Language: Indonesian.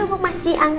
bokalan keluar mineral